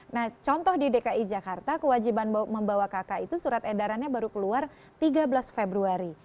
nah contoh di dki jakarta kewajiban membawa kakak itu surat edarannya baru keluar tiga belas februari